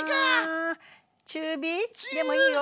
中火？でもいいよ